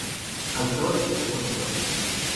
Autor: Prof.